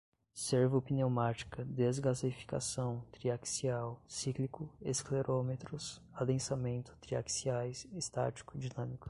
servo-pneumática, desgaseificação, triaxial, cíclico, esclerômetros, adensamento, triaxiais, estático, dinâmicos